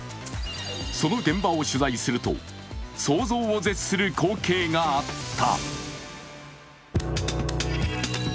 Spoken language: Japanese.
その現場を取材すると想像を絶する光景があった。